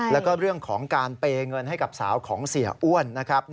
แล้วก็เรื่องของการเปย์เงินให้กับสาวของเสียอ้วนนะครับ